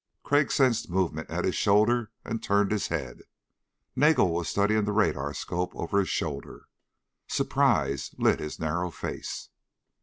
Crag sensed movement at his shoulder and turned his head. Nagel was studying the radarscope over his shoulder. Surprise lit his narrow face.